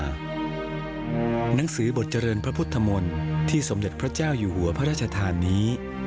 หนังสือบทเจริญพระพุทธมนตร์ที่สมเด็จพระเจ้าอยู่หัวพระราชทานนี้